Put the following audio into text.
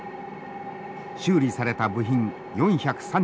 修理された部品４３０個。